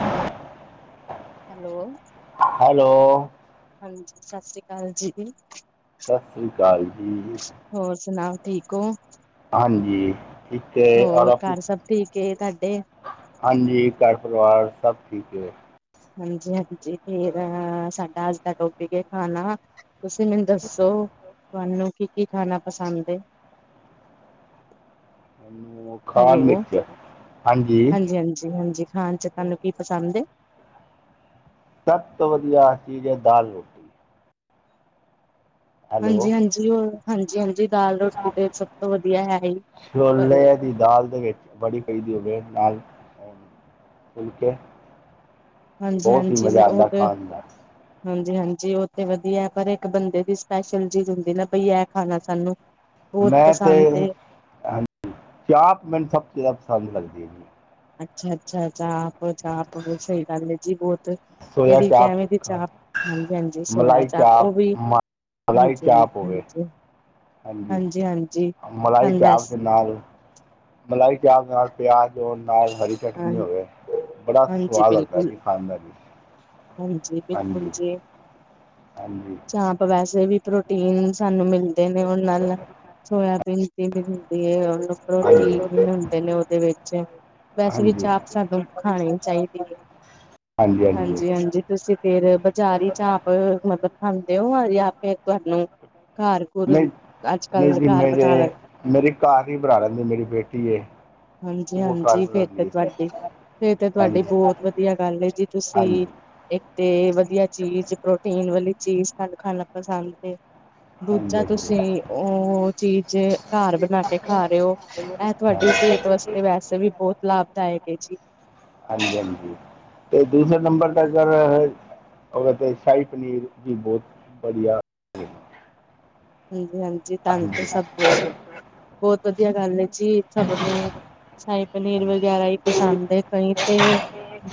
Hello hello hello ਹਾਂਜੀ ਸਤਿ ਸ਼੍ਰੀ ਅਕਾਲ ਜੀ ਸਤਿ ਸ੍ਰੀ ਅਕਾਲ ਜੀ ਹੋਰ ਸੁਣਾਓ ਠੀਕ ਹੋ ਹਾਂਜੀ ਠੀਕ ਹੈ, ਔਰ ਹੋਰ ਆਪ ਘਰ ਸਭ ਠੀਕ ਏ ਤੁਹਾਡੇ ਹਾਂਜੀ ਘਰ ਪਰਿਵਾਰ ਸਭ ਠੀਕ ਏ। ਹਾਂਜੀ ਹਾਂਜੀ, ਫੇਰ ਸਾਡਾ ਅੱਜ ਦਾ ਟੋਪਿਕ ਹੈ ਖਾਣਾ। ਤੁਸੀਂ ਮੈਨੂੰ ਦੱਸੋ, ਤੁਹਾਨੂੰ ਕੀ ਕੀ ਖਾਣਾ ਪਸੰਦ ਏ। ਹਨ [unintelligible] ਹੈਲੋ, ਹਾਂਜੀ- ਹਾਂਜੀ- ਹਾਂਜੀ ਖਾਣ 'ਚ ਤੁਹਾਨੂੰ ਕੀ ਪਸੰਦ ਏ। ਸਭ ਤੋਂ ਵਧੀਆ ਚੀਜ਼ ਹੈ, ਦਾਲ ਰੋਟੀ ਹੈਲੋ ਹਾਂਜੀ- ਹਾਂਜੀ, ਉਹ ਹਾਂਜੀ- ਹਾਂਜੀ ਦਾਲ ਰੋਟੀ ਤੇ ਸਭ ਤੋਂ ਵਧੀਆ ਹੈ ਹੀ, ਪਰ ਛੋਲੇ ਦੀ ਦਾਲ ਦੇ ਵਿੱਚ, ਵੜੀ ਪਈ ਦੀ ਹੋਵੇ ਨਾਲ ਫੁਲਕੇ ਹਾਂਜੀ ਬਹੁਤ ਹੀ ਹਾਂਜੀ ਮਜ਼ਾ ਉਹ ਆਂਦਾ ਤੇ ਖਾਣ ਦਾ ਹਾਂਜੀ -ਹਾਂਜੀ ਉਹ ਤੇ ਵਧੀਆ, ਪਰ ਇੱਕ ਬੰਦੇ ਦੀ ਸਪੈਸ਼ਲ ਚੀਜ਼ ਹੁੰਦੀ ਨਾ, ਬਈ ਇਹ ਖਾਣਾ ਸਾਨੂੰ ਬਹੁਤ ਮੈਂ ਤੇ ਪਸੰਦ ਏ ਹਾਂਜੀ ਚਾਪ ਮੈਨੂੰ ਸਭ ਤੋਂ ਜ਼ਿਆਦਾ ਪਸੰਦ ਲੱਗਦੀ। ਜੀ ਅੱਛਾ -ਅੱਛਾ, ਚਾਪ-ਚਾਪ ਬਹੁ ਸਹੀ ਗੱਲ ਹੈ ਜੀ ਬਹੁਤ ਕਿਹੜੀ ਕਿਵੇਂ ਦੀ ਚਾਪ ਹਾਂਜੀ -ਹਾਂਜੀ ਸੋਇਆ ਚਾਪ ਉਹ ਵੀ ਮਲਾਈ ਹਾਂਜੀ। ਚਾਪ ਹੋਵੇ ਹੂੰ ਹਾਂਜੀ ਮਲਾਈ ਵੈਸ ਚਾਪ ਤੇ ਨਾਲ ਮਲਾਈ ਚਾਪ ਨਾਲ ਪਿਆਜ਼, ਹੋਣ ਨਾਲ ਹਰੀ ਚਟਨੀ ਹੋਵੇ, ਬੜਾ ਹਾਂਜੀ ਸਵਾਦ ਲੱਗਦਾ ਬਿਲਕੁਲ ਜੀ। ਖਾਨ ਦਾ ਜੀ। ਹਾਂਜੀ ਬਿਲਕੁਲ ਹਾਂਜੀ ਜੀ। ਹਾਂਜੀ ਆਪ ਵੈਸੇ ਵੀ ਪ੍ਰੋਟੀਨ ਸਾਨੂੰ ਮਿਲਦੇ ਨੇ, ਉਹ ਨਾਲ ਸੋਇਆਬੀਨ ਦੀ ਮ ਹੁੰਦੀ ਹੈ, ਉਹਨੂੰ ਪ੍ਰੋਟੀਨ ਹਾਂਜੀ ਵੀ ਮਿਲਦੇ ਨੇ ਉਹਦੇ ਵਿੱਚ ਵੈਸੇ ਵੀ ਹਾਂਜੀ ਚਾਪ ਸਾਨੂੰ ਖਾਣੀ ਚਾਹੀਦੀ ਏ। ਹਾਂਜੀ-ਹਾਂਜੀ ਹਾਂਜੀ ਤੁਸੀਂ ਫੇਰ ਬਾਜ਼ਾਰੀ ਚ ਚਾਮਪ ਮਤਲਬ ਖਾਂਦੇ ਹੋ, ਜਾਂ ਫਿਰ ਤੁਹਾਨੂੰ ਘਰ ਘੁਰ ਨਹੀਂ ਅੱਜ -ਨਹੀਂ ਕੱਲ ਜੀ ਘਰ ਮੇਰੇ ਬਣਾ ਲੈ ਮੇਰੀ ਘਰ ਹੀ ਬਣਾ ਲੈਂਦੀ ਦੀ, ਮੇਰੀ ਬੇਟੀ ਏ। ਹਾਂਜੀ ਉਹ ਘਰ -ਹਾਂਜੀ ਫਿਰ ਤੇ ਬਣਾਉਂਦੀ ਹੈ ਤੁਹਾਡੀ ਫੇਰ ਤੇ ਹਾਂਜੀ ਤੁਹਾਡੀ ਬਹੁਤ ਹਾਂਜੀ ਵਧੀਆ ਗੱਲ ਏ, ਜੀ ਤੁਸੀ ਹਾਂਜੀ ਇੱਕ ਤੇ ਵਧੀਆ ਚੀਜ਼, ਪ੍ਰੋਟੀਨ ਵਾਲੀ ਚੀਜ਼ਾ ਤਾਨੂੰ ਖਾਣਾ ਪਸੰਦ ਏ। ਦੂਜਾ ਹਾਂਜੀ ਤੁਸੀ ਉਹ ਚੀਜ਼, ਘਰ ਬਣਾ ਕੇ ਖਾ ਰਹੇ ਹੋ। ਇਹ ਤੁਹਾਡੀ ਸਿਹਤ ਵਾਸਤੇ, ਵੈਸੇ ਵੀ ਬਹੁਤ ਲਾਭਦਾਇਕ ਹੈ ਜੀ। ਹਾਂਜੀ -ਹਾਂਜੀ ਤੇ ਦੂਸਰੇ ਨੰਬਰ ਦਾ ਗ ਔਰ ਔਥੇ ਸ਼ਾਹੀ ਪਨੀਰ ਵੀ ਬਹੁਤ ਵਧੀਆ ਹਾਂਜੀ -ਹਾਂਜੀ ਤਾਨੂ ਤੇ ਸਭ ਹਾਂਜੀ ਬਹੁਤ ਵਧੀਆ ਗੱਲ ਹੈ ਜੀ ਸਭ ਨੂੰ। ਸ਼ਾਹੀ ਪਨੀਰ ਹਾਂਜੀ ਵਗੈਰਾ ਹੀ ਪਸੰਦ ਹੈ, ਕਈ ਤੇ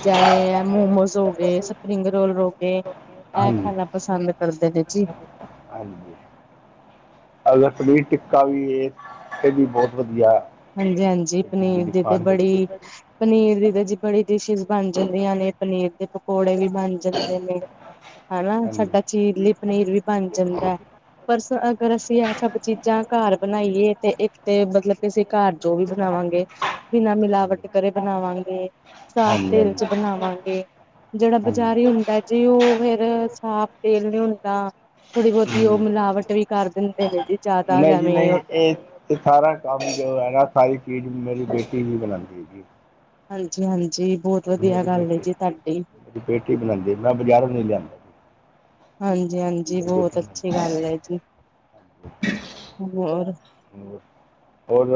ਜਿਵੇਂ ਇਹ ਮੋਮੋਸ ਹੋ ਗਏ, ਸਪਰਿੰਗ ਰੋਲ ਹੋ ਗਏ, ਇਹ ਖਾਣਾ ਪਸੰਦ ਕਰਦੇ ਨੇ ਜੀ। ਹਾਂਜੀ। ਅਗਰ ਪਨੀਰ ਟਿੱਕਾ ਵੀ ਇਹ ਵੀ ਬਹੁਤ ਵਧੀਆ ਏ। ਹਾਂਜੀ- ਹਾਂਜੀ ਪਨੀਰ ਦੀ ਤੇ ਬੜੀ ਪਨੀਰ ਦੀ ਤਾਂ ਜੀ ਬੜੀ ਡਿਸ਼ਿਜ਼ ਬਣ ਜਾਂਦੀਆਂ ਨੇ ਪਨੀਰ ਦੇ ਪਕੌੜੇ ਵੀ ਬਣ ਜਾਂਦੇ ਨੇ। ਹਨਾ, ਹਾਂਜੀ ਸਾਡਾ ਚੀਰਲੀ ਪਨੀਰ ਵੀ ਬਣ ਜਾਂਦਾ ਹੈ। ਬਸ ਅਗਰ ਅਸੀਂ ਇਹ ਸਭ ਚੀਜ਼ਾਂ, ਘਰ ਬਣਾਈਏ ਤੇ ਇੱਕ ਤੇ ਮਤਲਬ ਅਸੀ ਘਰ ਜੋ ਵੀ ਹਾਂਜੀ ਬਣਾਵਾਂਗੇ, ਬਿਨਾਂ ਮਿਲਾਵਟ ਕਰੇ ਬਣਾਵਾਂਗੇ ਸਾਫ਼ ਹਾਂਜੀ ਤੇਲ ਚ ਆਵਾਂਗੇ। ਜਿਹੜਾ ਬਜ਼ਾਰੀ ਹਾਂਜੀ ਹੁੰਦਾ ਜੀ, ਉਹ ਫੇਰ ਸਾਫ ਤੇਲ ਨਹੀਂ ਹੁੰਦਾ ਥੋੜੀ ਬਹੁਤੀ ਉਹ ਮਿਲਾਵਟ ਵੀ ਕਰ ਦਿੰਦੇ ਨੇ ਹੂੰ ਜੀ ਜ਼ਿਆਦਾ। ਨਹੀਂ ਜੀ ਜਿਵੇਂ ਨਹੀਂ ਇਹ ਤੇ ਸਾਰਾ ਕੰਮ ਜੋ ਹੈ ਨਾ, ਸਾਰੀ ਚੀਜ਼ ਮੇਰੀ ਬੇਟੀ ਵੀ ਬਣਾਂਦੀ ਜੀ। ਹਾਂਜੀ- ਹਾਂਜੀ। ਬਹੁਤ ਵਧੀਆ ਮੇਰੀ ਗੱਲ ਹੈ ਬੇਟੀ, ਜੀ ਤੁਹਾਡੀ ਮੇਰੀ ਬੇਟੀ ਹੀ ਬਣਾਉਂਦੀ ਹੈ। ਮੈਂ ਬਜ਼ਾਰੋਂ ਨੀ ਲਿਆਂਦਾ। ਜੀ ਹਾਂਜੀ- ਹਾਂਜੀ ਮੇਰੀ ਬੇਟੀ ਬਹੁਤ ਅੱਛੀ ਬਣਾਉਂਦੀ ਗੱਲ ਹੈ ਜੀ, ਹੋਰ? ਹੋਰ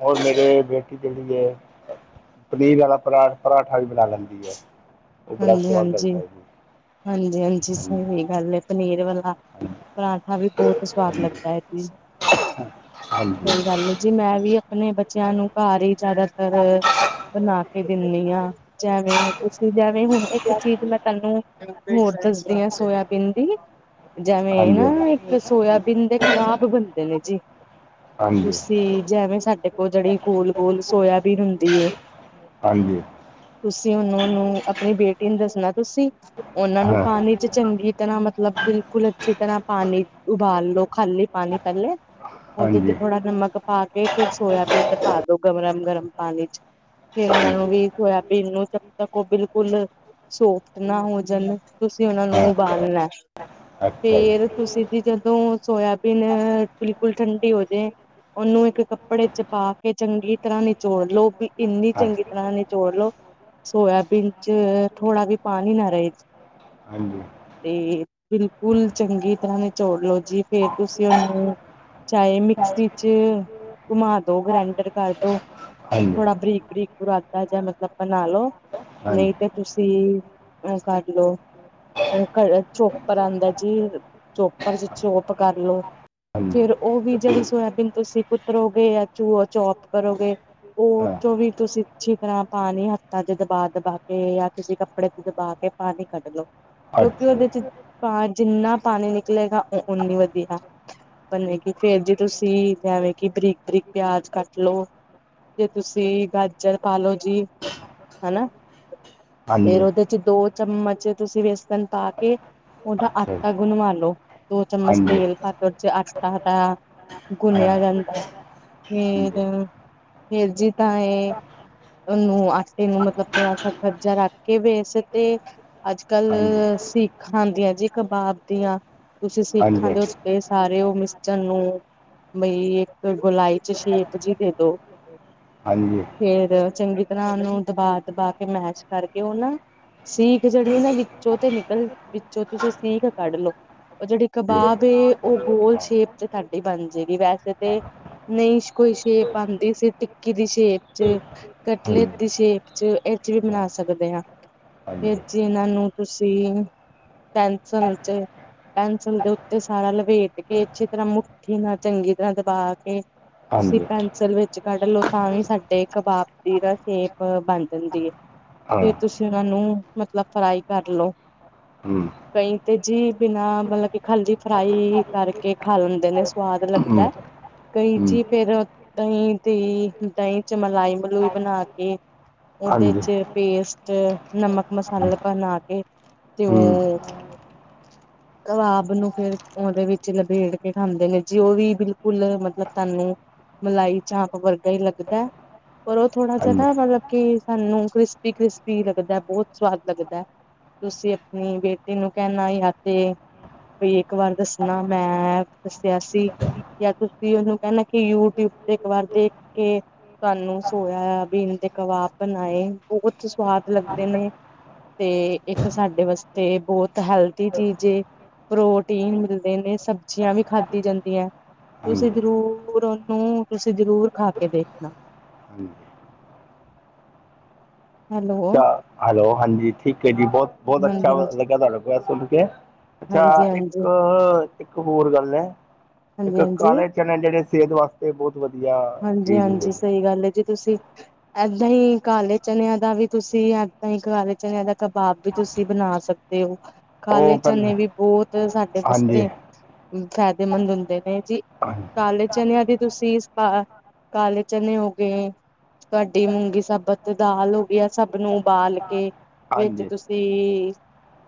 -ਹੋਰ ਮੇਰੇ ਬੇਟੀ ਜਿਹੜੀ ਏ। ਪਨੀਰ ਵਾਲਾ ਪਰਾਂਠ, ਪਰਾਂਠਾ ਵੀ ਬਣਾ ਲੈਂਦੀ ਆ। ਹਾਂਜੀ -ਹਾਂਜੀ, ਹਾਂਜੀ -ਹਾਂਜੀ ਸਹੀ ਗੱਲ ਹੈ ਪਨੀਰ ਵਾਲਾ ਪਰਾਂਠਾ ਵੀ ਬਹੁਤ ਸਵਾਦ ਲੱਗਦਾ ਹੈ ਜੀ, ਹਾਂਜੀ ਸਹੀ ਗੱਲ ਏ। ਜੇ ਮੈਂ ਵੀ ਆਪਣੇ ਬੱਚਿਆਂ ਨੂੰ ਘਰ ਹੀ, ਜਿਆਦਾਤਰ ਬਣਾ ਕੇ ਦਿੰਨੀ ਹਾਂ। ਜਿਵੇਂ ਤੁਸੀਂ ਜਿਵੇਂ ਹੁਣ ਇੱਕ ਚੀਜ਼ ਮਤ ਤਾਨੂੰ ਹੋਰ ਦੱਸਦੀ ਆ ਸੋਇਬੀਨ ਦੀ, ਜਿਵੇਂ ਨਾ ਹਾਂਜੀ ਹਾਂਜੀ ਇੱਕ ਸੋਇਆਬੀਨ ਦੇ ਖ਼ਰਾਬ ਬੰਦੇ ਨੇ ਜੀ। ਹਾਂਜੀ ਹਾਂਜੀ ਤੁਸੀ, ਜਿਵੇਂ ਸਾਡੇ ਕੋਲ ਜਿਹੜੀ ਗੋਲ- ਗੋਲ ਸੋਇਆਬੀਨ ਹੁੰਦੀ ਹੈ। ਹਾਂਜੀ। ਤੁਸੀਂ ਉਹਨੂੰ, ਉਹਨੂੰ ਆਪਣੀ ਬੇਟੀ ਨੂੰ ਦੱਸਣਾ ਤੁਸੀਂ। ਉਹਨਾਂ ਨੂੰ ਹਾਂ ਪਾਣੀ ਚ ਚੰਗੀ ਤਰਾਂ ਮਤਲਬ, ਬਿਲਕੁਲ ਅੱਛੀ ਤਰਾਂ ਪਾਣੀ ਉਬਾਲ ਲੋ ਖਾਲੀ ਪਾਣੀ ਪਹਿਲੇ ਉਹਦੇ ਚ ਹਾਂਜੀ ਥੋੜਾ ਨਮਕ ਪਾ ਕੇ, ਫੇਰ ਸੋਯਬੀਨ ਪਾ ਦੋ ਗਰਮ- ਗਰਮ ਪਾਣੀ ਚ, ਫੇਰ ਉਹਨਾਂ ਨੂੰ ਹਾਂਜੀ ਵੀ ਸੋਇਆਬੀਨ ਨੂੰ ਜਦ ਤੱਕ ਉਹ ਬਿਲੁ ਫੁਲ ਸੋਫਟ ਨਾ ਹੋ। ਤੁਸੀਂ ਉਹਨਾ ਨੂੰ ਹਾਂ ਉਬਾਲਣਾ ਏ। ਅੱਛਾ ਜੀ ਫੇਰ ਤੁਸੀਂ ਜੀ ਜਦੋਂ ਸੋਇਆਬੀਨ ਬਿਲਕੁਲ ਠੰਡੀ ਹੋ ਜਾ ਐ। ਉਹਨੂੰ ਇੱਕ ਕੱਪੜੇ ਚ ਪਾ ਕੇ ਚੰਗੀ ਤਰਾਂ ਨਿਚੋੜ ਲਉ। ਵੀ ਇੰਨੀ ਹਾਂ ਚੰਗੀ ਤਰਾਂ ਨਿਚੋੜ ਲਉ ਸੋਯਬੀਨ ਚ ਥੋੜਾ ਵੀ ਪਾਣੀ ਨਾ ਰਹੇ। ਹਾਂਜੀ। ਤੇ ਬਿਲਕੁਲ ਚੰਗੀ ਤਰਾਂ ਨਿਚੋੜ ਲਓ ਜੀ, ਫੇਰ ਤੁਸੀਂ ਉਹਨਾਂ ਨੂੰ, ਚਾਹੇ ਮਿਕਸੀ ਚ ਘੁਮਾ ਦੋ ਗ੍ਰੈਂਡਰ ਕਰਦੋ। ਹਾਂਜੀ ਥੋੜਾ ਬਰੀਕ, - ਬਰੀਕ ਬੁਰਾਦਾ ਜਾਂ, ਮਤਲਬ ਬਣਾ ਲ ਲੋ। ਨਹੀਂ ਹਾਂਜੀ ਤਾਂ ਤੁਸੀਂ ਓ ਕਰ ਲਓ। ਚੋਪਰ ਆਉਂਦਾ ਜੀ, ਚੋਪਰ ਚ ਚੋਪ ਕਰਲੋ। ਹਾਂਜੀ ਫੇਰ ਉਹ ਵੀ ਜਿਹੜੀ ਸੋਇਆਬੀਨ ਤੁਸੀਂ ਕੁਤਰੋਗੇ ਜਾਂ ਚੂ ਚੋਪ ਕਰੋਗੇ, ਉਹਰ ਹਾਂ ਚੋ ਵੀ ਤੁਸੀਂ ਅੱਛੀ ਤਰਾਂ ਪਾਣੀ ਹੱਥਾਂ ਚ ਦਬਾ- ਦਬਾ, ਤੇ ਜਾਂ ਕਿਸਸੀੇ ਕੱਪੜੇ ਤੇ ਦਬਾ ਕੇ ਪਾਣੀ ਕੱਢ ਲਓ। ਕਿਉਂਕਿ ਅੱਛਾ ਜੀ। ਉਹਦੇ ਚ ਪਾ ਜਿੰਨਾ ਪਾਣੀ ਨਿਕਲੇਗਾ, ਉਓਨੀ ਵਧੀਆ। ਬਣੇਗੀ ਫੇਰ ਜੇ ਤੁਸੀਂ ਜਿਵੇਂ ਕਿ ਬਰੀਕ- ਬਰੀਕ ਪਿਆਜ ਕੱਟ ਲੋਓ। ਜੇ ਤੁਸੀਂ ਗਾਜਰ ਪਾ ਲੋੋ ਜੀ, ਹਨਾ। ਫੇਰ ਹਾਂਜੀ ਓਦੇ ਚ ਦੋ ਚਮਚ ਤੂਸੀ ਵੇਸਨ ਪਾ ਕੇ, ਓਦਾ ਅੱਛਾ ਜੀ। ਆਟਾ ਗੁਨਵਾ ਲੋ। ਦੋ ਚਮੱਚ ਹਾਂਜੀ ਤੇਲ ਪਾ ਕੇ ਓਚ ਆਟਾ, ਟਾ ਹਾਂ ਗੁੰਨੇਆ ਜਾਂਦਾ। ਭੇਦ, ਹਾਂਜੀ ਫੇਰ ਜੀ ਤਾਂ ਏ ਓਨੂੰ ਆਟੇ ਨੂੰ ਮਤਲਬ ਥੋੜਾ ਸਾ ਕੱਚਾ ਰੱਖ ਕੇ ਵੇਸ ਤੇ ਅੱਜ-ਕੱਲ ਹਾਂਜੀ ਹਾਂਜੀ ਸੀਖਾਂ ਆਂਦੀਐ ਜੀ ਕਬਾਬ ਦੀਆਂ, ਤੂਸੀਂ ਸਿੱਖਾਂ ਹਾਂਜੀ ਦੇ ਸਪੇਸ ਸਾਰੇ ਓ ਮਿਸਚਰ ਨੂੰ ਬਈ ਏਕ ਗੋਲਾਈ ਚ ਮੈ਼ਪ ਜੀ ਦੇ ਦੇ। ਹਾਂਜੀ। ਫੇਰ ਚੰਗੀ ਤਰਾਂ ਓਨੂੰ ਦਬਾ-ਦਬਾ ਕੇ ਮੈਸ਼ ਕਾਰਕੇ ਓਨ ਸੀਖ ਜੇੜੀ ਏਨਾ ਵਿਚੋਂ ਤੇ ਨਿਕਲ, ਵਿਚੋਂ ਤੂਸੀ ਸੀਖ ਕੱਡ ਲੋ। ਓ ਜੇੜੀ ਜੀ। ਕਬਾਬ ਏ ਓ ਰੋਲ ਸੇ਼ਪ ਚ ਹਾਂ ਤਾਡੀ ਬਨ ਜੇਗੀ, ਵੈਸੇ ਤੇ ਨਹੀ ਇਸ਼ ਕੋਈ ਸੇ਼ਪ ਆਂਦੀ, ਸੀ ਟਿੱਕੀ ਦੀ ਸੇ਼ਪ ਚ ਕਟਲੈਟ ਹਾਂਜੀ ਦੀ ਮੇ਼ਪ ਏਚ, ਏਚ ਵੀ ਹਾਂ ਬਨਾ ਸਕਦੇ ਆਂ ਫੇਰ ਹਾਂਜੀ ਜੀ ਇਨਾਂ ਨੂੰ ਤੁਸੀਂ ਟੈਨਸਨ ਚ ਏ ਪੈਨਸਲ ਦੇ ਉਤੇ ਸਾਰਾ ਲਪੇਟ ਕੇ, ਅੱਛੀ ਤਰਾਂ, ਮੁੱਠੀ ਨਾਲ, ਚੰਗੀ ਤਰਾਂ ਦਬਾ ਕੇ, ਤੂਸੀ ਹਾਂਜੀ ਪੈਨਸਲ ਵਿੱਚ ਕੱਡ ਲੋ, ਤਾਂ ਵੀ ਸਾਡੇ ਕਬਾਬ ਦੀ ਨਾ ਸ਼ੇਪ ਬਨ ਜਾਂਦੀ ਏ, ਹਾਂ ਫੇਰ ਤੂਸੀ ਓਨਾਂ ਨੂੰ ਮਤਲਬ ਫਰਾਈ ਕਰ ਲੋ। ਹੂੰ। ਕਈ ਤੇ ਜੀ ਬਿਨਾ ਮਤਲਬ ਕੀ ਖਾਲੀ ਫਰਾਈ ਹੂੰ ਕਾਰਕੇ ਖਾ ਲੈਂਦੇ ਨੇ, ਸਵਾਦ ਹੂੰ ਲਗਦੈ। ਕਈ ਜੀ ਫੇਰ ਦਹੀਂ ਦੀ ਦਹੀਂ ਚ ਮਲਾਈ-ਮਲੂਈ ਬਨਾ ਕੇ ਓਦੇ ਹਾਂਜੀ ਚ ਪੇਸਟ, ਨਮਕ ਮਸਾਲੇ ਬਨਾ ਕੇ ਤੇ ਹੂੰ ਹਾਂਜੀ ਉਂ [inaudible] ਕਬਾਬ ਨੂੰ ਫੇਰ ਓਦੇ ਵਿੱਚ ਲਬੇੜ ਕੇ ਖਾਂਦੇ ਨੇ ਜੀ, ਓ ਵੀ ਬਿਲਕੁਲ ਮਤਲਬ ਤਾਨੂੰ ਮਲਾਈ ਚਾਪ ਵਰਗਾ ਈ ਲੱਗਦੈ ਪਰ ਓ ਥੋੜਾ ਜਾ ਹਾਂਜੀ ਨਾ ਮਤਲਬ ਕੀ ਸਾਨੂੰ ਕਰੀਸਪੀ-ਕਰੀਸਪੀ ਲਗਦੈ, ਬੋਤ ਸਵਾਦ ਲਗਦੈ। ਤੂਸੀ ਅਪਨੀ ਬੇਟੀ ਨੂੰ ਕੈਨਾ ਯਾ ਤੇ ਬਈ ਏਕ ਵਾਰ ਦੱਸਨਾ ਮੈਂ ਦੱਸੇਆਸੀ ਯਾ ਤੂਸੀ ਓਨੂੰ ਕੈਨਾਂ ਕਿ ਯੂਟੀਊਬ ਤੇ ਇਕ ਵਾਰ ਦੇਖ ਕੇ ਤੂਆਨੂੰ ਸੋਏਆਬੀਨ ਤੇ ਕਬਾਬ ਬਨਾਏ ਬੋਹਤ ਈ ਸਵਾਦ ਲੱਗਦੇ ਨੇ। ਤੇ ਏਕ ਸਾਡੇ ਵਸਤੇ ਬੋਤ ਹੈਲਦੀ ਚੀਜ ਏ। ਪ੍ਰੋਟੀਨ ਮਿਲਦੇ ਨੇ, ਸਬਜੀਆਂ ਵੀ ਖਾਦੀ ਜਾਂਦੀਐਂ। ਤੂਸੀ ਜਰੂਰ ਓਨੂੰ ਤੂਸੀ ਜਰੂਰ ਖਾ ਕੇ ਦੇਖਨਾ। ਹਾਂਜੀ ਹੈਲੋ ਅੱਛਾ, ਹੈਲੋ, ਹਾਂਜੀ ਠੀਕੇ ਏ ਜੀ, ਬੋਤ-ਬੋਤ ਅੱਛਾ ਹਾਂਜੀ। ਲਗੇਆ, ਤੂਆਡੇ ਕੋਲ ਐ ਸੁਨ ਕੇ। ਅੱਛਾ, ਹਾਂਜੀ-ਹਾਂਜੀ, ਇੱਕ-ਇੱਕ ਹੋਰ ਗਾੱਲ ਐ, ਇੱਕ ਹਾਂਜੀ-ਹਾਂਜੀ, ਕਾਲੇ ਚਨੇ ਜੇੜੇ ਸ੍ਹੇਤ ਵਾਸਤੇ ਬੋਤ ਵਦੀਆ। ਹਾਂਜੀ, ਹਾਂਜੀ ਸਈ ਗਾੱਲ ਐ ਜੀ ਤੂਸੀ ਐਦਾਂਈ ਕਾਲੇ ਚਨੇਆਂ ਦਾ ਵੀ ਤੂਸੀ, ਏਦਾਂ ਈ ਕਾਲੇ ਚਨੇਆਂ ਦਾ ਕਬਾਬ ਵੀ ਤੂਸੀ ਬਨਾ ਸਕ ਦੇ ਓ, ਕਾਲੇ ਉਹ ਪਹਿਲਾਂ ਚਨੇ ਵੀ ਬੋਤ ਸਾਡੇ ਹਾਂਜੀ ਵਸਤੇ ਫੈਦੇ ਮੰਦ ਹੂੰਦੇ ਨੇ ਜੀ, ਹਾਂਜੀ ਕਾਲੇ ਚਨੇਆਂ ਦੀ ਤੂਸੀ ਪਾ ਕਾਲੇ ਚਨੇ ਹੋ ਗਏ ਤੂਆਡੀ ਮੂੰਗੀ ਸਾਬਤ ਦਾਲ ਹੋਗੀ, ਐ ਸਬ ਨੂੰ ਉਬਾਲ ਕੇ ਵੇਚੱ ਹਾਂਜੀ ਤੂਸੀ ਤੇ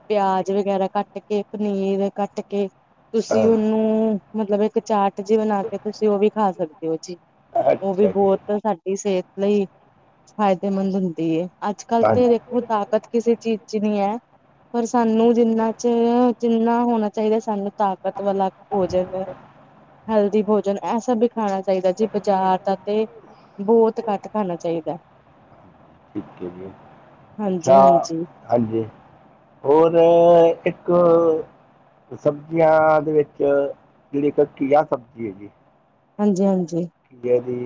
ਪੇਆਜ ਵਗੈਰਾ ਕਾੱਟ ਕੇ, ਪਨੀਰ ਕਾੱਟ ਕੇ ਤੂਸੀ ਅ ਓਨੂੰ ਮਤਲਬ ਏਕ ਚਾਟ ਜੀ ਬਨਾ ਕੇ ਤੂਸੀ ਓ ਵੀ ਖਾ ਸਕਦੇ ਓ ਜੀ, ਓ ਵੀ ਅੱਛਾ ਜੀ ਬੋਤ ਸਾਡੀ ਸ੍ਹੇਤ ਲਈ ਫਾਇਦੇਮੰਦ ਹੁੰਦੀ ਏ। ਅੱਜ-ਕੱਲ ਤੇ ਦੇਖੋ ਹਾਂਜੀ ਤਾਕਤ ਕਿਸੇ ਚੀਜ ਚ ਨੀ ਐ। ਪਰ ਸਾਨੂੰ ਜਿੰਨਾ ਚ, ਜਿੰਨਾ ਹੋਣਾ ਚਾਈਦਾ ਸਾਨੂੰ ਤਾਕਤ ਵਾਲਾ ਭੋਜਨ ਹੈਲਦੀ ਭੋਜਨ, ਐ ਸਬ ਈ ਖਾਨਾ ਚਾਈਦਾ ਜੀ ਬਜਾਰ ਦਾ ਤੇ ਬੋਤ ਘਾੱਟ ਖਾਨਾ ਚਾਈਦੈ। ਠੀਕ ਏ ਜੀ, ਹਾਂਜੀ ਅੱਛਾ, ਹਾਂਜੀ ਹਾਂਜੀ। ਹੋਰ ਇੱਕ ਸਬਜ਼ੀਆਂ ਦੇ ਵਿੱਚ ਜਿਹੜੀ ਇੱਕ ਘੀਆ ਸਬਜ਼ੀ ਹੈਗੀ ਹਾਂਜੀ ਹਾਂਜੀ ਘੀਏ ਦੀ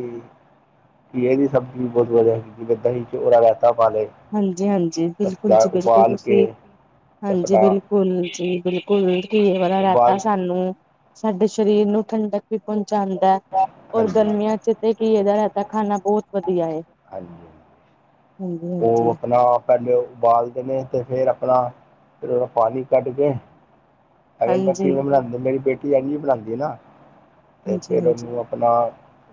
ਘੀਏ ਦੀ ਸਬਜ਼ੀ ਬਹੁਤ ਵਧੀਆ ਹੈਗੀ ਜਿਵੇਂ ਦਹੀਂ ਚੱ ਉਹਦਾ ਰਾਇਤਾ ਪਾ ਲਉ ਹਾਂਜੀ ਹਾਂਜੀ ਬਿਲਕੁੱਲ ਜੀ ਬਿਲਕੁੱਲ ਕੇ ਤੁਸੀਂ ਤੇ ਹਾਂਜੀ ਆਪਣਾ ਬਿਲਕੁੱਲ ਜੀ ਬਿਲਕੁੱਲ ਨੇੜ ਤੋਂ ਹੇਗਾ ਰਾਸਤਾ ਉਬਾਲ ਸਾਨੂੰ ਸਾਡੇ ਸਰੀਰ ਨੂੰ ਠੰਡਕ ਵੀ ਪਹੁੰਚਾਉਂਦਾ ਹੈ ਔਰ ਹਾਂਜੀ ਗਰਮੀਆਂ ਚ ਤੇ ਘੀਏ ਦਾ ਰਾਇਤਾ ਖਾਣਾ ਬਹੁਤ ਵਧੀਆ ਹੈ ਹਾਂਜੀ ਹਾਂਜੀ ਉਹ ਆਪਣਾ ਪਹਿਲੇ ਉਬਾਲਦੇ ਨੇ ਤੇ ਫਿਰ ਆਪਣਾ ਉਹਦਾ ਪਾਣੀ ਕੱਢ ਕੇ ਐਵੇਂ ਹਾਂਜੀ, ਕੀਵੇਂ ਬਣਾਉਂਦੀ ਮੇਰੀ ਬੇਟੀ ਯਾਨੀ ਬਣਾਉਂਦੀ ਨਾ ਤੇ ਹਾਂਜੀ-ਹਾਂਜੀ, ਹਾਂਜੀ ਫਿਰ ਹਾਂਜੀ ਉਹਨੂੰ ਆਪਣਾ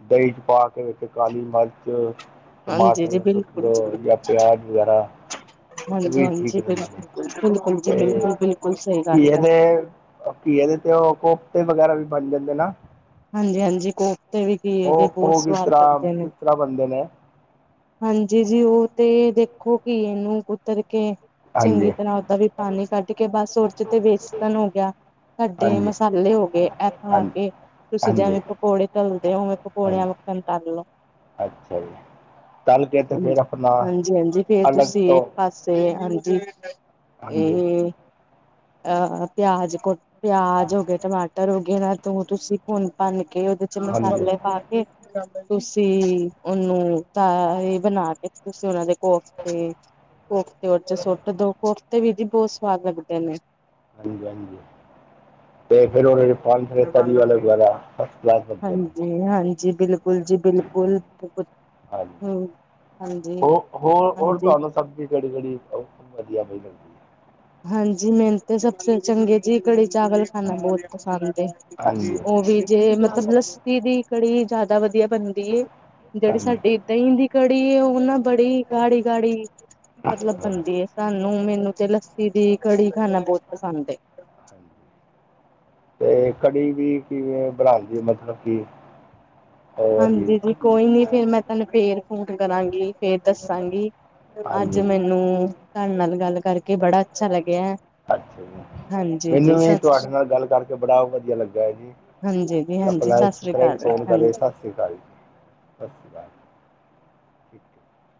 ਦਹੀਂ ਚੱ ਪਾ ਕੇ ਵਿੱਚ ਕਾਲੀ ਮਿਰਚ ਹਾਂਜੀ ਜੀ ਟਮਾਟਰ ਸੁੱਟ ਬਿਲਕੁਲ ਲਏ ਜਾਂ ਪਿਆਜ਼ ਵਗੈਰਾ ਹਾਂਜੀ ਇਹ ਵੀ ਠੀਕ ਹਾਂਜੀ ਬਿਲੁ ਰਹਿੰਦੇ ਨੇ ਬਿਲਕੁਲ ਜੀ ਬਿਲਕੁਲ ਬਿਲਕੁਲ ਸਹੀ ਗ ਇਹਦੇ ਤੇ ਵਗੈਰਾ ਵੀ ਪੰਜ ਬੰਦੇ ਨਾ ਹਾਂਜੀ ਹਾਂਜੀ ਖੂਬ ਤੇ ਵੀ ਇਹਦੇ ਉਹ ਬਹੁਤ ਉਹ ਕਿਸ ਸਵਾਗਤ ਤਰ੍ਹਾਂ ਕਰਦੇ ਨੇ ਕਿਸ ਤਰ੍ਹਾਂ ਬਣਦੇ ਨੇ ਹਾਂਜੀ ਜੀ ਉਹ ਤੇ ਦੇਖੋ ਕਿ ਇਹਨੂੰ ਕੁ ਤੇਰੇ ਕੇ ਚੰਗੀ ਹਾਂਜੀ ਤਰ੍ਹਾਂ ਦਾ ਵੀ ਪਾਣੀ ਕੱਢ ਕੇ ਪਾਸ ਉਚ ਤੇ ਤੇ ਹਾਂਜੀ ਮਸਾਲੇ ਹੋ ਗਏ ਇਥੇ ਆ ਹਾਂਜੀ ਕੇ ਤੁਸੀਂ ਜਿਵੇਂ ਹਾਂਜੀ ਪਕੌੜੇ ਤਲਦੇ ਹੋ ਪਕੌੜਿਆਂ ਹਾਂਜੀ ਵਿੱਚ ਕਰ ਲਓ ਅੱਛਾ ਜੀ ਤਲ ਕੇ ਤੇ ਫਿਰ ਆਪਣਾ ਹਾਂਜੀ ਹਾਂਜੀ ਫੇਰ ਤੁਸੀਂ ਇੱਕ ਪਾਸੇ ਹਾਂਜੀ ਪਿਆਜ ਪਿਆਜ ਹੋ ਗਿਆ ਟਲਾਟਰ ਹੋ ਗਿਆ ਦੋ ਤੁਸੀਂ ਭੁੰਨ ਭੰਨ ਕੇ ਉਹਦੇ ਚ ਮਸਾਲੇ ਪਾ ਤੁਸੀਂ ਉਹਨੂੰ ਤਾ ਇਹ ਬਣਾ ਕੇ ਕੁਛ ਉਹਨਾਂ ਦੇ ਕੋਰਸ ਦੇ ਵਿੱਚ ਸੁੱਟ ਦੋ ਤੇ ਵੀਰਜੀ ਬਹੁਤ ਸਵਾਦ ਲੱਗਦੇ ਨੇ ਹਾਂਜੀ ਹਾਂਜੀ ਤੇ ਫਿਰ ਉਹਨੇ ਤਾਹੀਂ ਫਿਰ ਤਰੀ ਵਾਲੇ ਜ਼ਿਆਦਾ ਫਸਕਲਾਸ ਬਣਦੇ ਨੇ ਹਾਂਜੀ ਹਾਂਜੀ ਬਿਲਕੁੱਲ ਜੀ ਬਿਲਕੁੱਲ ਹਾਂ ਜੀ ਹਮ ਹਾਂਜੀ ਹਾਂਜੀ ਸਭ ਵੀ ਘੱੜੀ ਘੱੜੀ ਵਧੀਆ ਹੋਈ ਜਾਂਦੀ ਹਾਂਜੀ ਮੈਨੂੰ ਤਾਂ ਸਭ ਤੋਂ ਚੰਗੇ ਜੀ ਕੜੀ ਚਾਵਲ ਮੈਨੂੰ ਬਹੁਤ ਪਸੰਦ ਹਾਂ ਜੀ ਉਹ ਵੀ ਜੇ ਮਤਲੱਬ ਲੱਸੀ ਦੀ ਕੜੀ ਜ਼ਿਆਦਾ ਵਧੀਆ ਬਣਦੀ ਹਾਂ ਜਿਹੜੀ ਜੀ ਸਾਡੀ ਦਹੀਂ ਦੀ ਕੜੀ ਉਹ ਨਾ ਬੜੀ ਗਾੜੀ ਗਾੜੀ ਮਤਲੱਬ ਹਾਂ ਬਣਦੀ ਸਾਨੂੰ ਮੈਨੂੰ ਤੇ ਲੱਸੀ ਦੀ ਕੜੀ ਖਾਣਾ ਬਹੁਤ ਪਸੰਦ ਹੈ ਹਾਂ ਜੀ ਤੇ ਕੜੀ ਵੀ ਕਿਵੇਂ ਬਣਾ ਲਈਏ ਮਤਲੱਬ ਕੀ ਹਾਂਜੀ ਜੀ ਕੋਈ ਨੀ ਫਿਰ ਮੈਂ ਤੁਹਾਨੂੰ ਫਿਰ ਫੋਨ ਕਰਾਂਗੀ ਫਿਰ ਦੱਸਾਂਗੀ ਹਾਂ ਅੱਜ ਜੀ ਮੈਨੂੰ ਤੁਹਾਡੇ ਨਾਲ ਗੱਲ ਕਰਕੇ ਬੜਾ ਅੱਛਾ ਲੱਗਿਆ ਅੱਛਾ ਜੀ ਹਾਂਜੀ ਜੀ ਮੈਨੂੰ ਵੀ ਸਤਿ ਤੁਹਾਡੇ ਨਾਲ ਗੱਲ ਕਰਕੇ ਬੜਾ ਵਧੀਆ ਲੱਗਾ ਹੈ ਜੀ ਹਾਂਜੀ ਜੀ ਹਾਂਜੀ ਆਪਣਾ ਸਤਿ ਇਸੇ ਸ੍ਰੀ ਤਰ੍ਹਾਂ ਅਕਾਲ ਫੋਨ ਕਰਦੇ ਹਾਂਜੀ। ਸਤਿ ਸ਼੍ਰੀ ਅਕਾਲ ਜੀ ਸਤਿ ਸ਼੍ਰੀ ਅਕਾਲ ਠੀਕ [unintelligible]